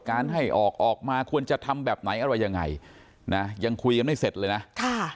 ให้ออกออกมาควรจะทำแบบไหนอะไรยังไงนะยังคุยกันไม่เสร็จเลยนะค่ะ